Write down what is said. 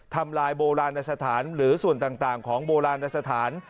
ทำลายโบราณสถานหรือส่วนต่างของโบราณสถาน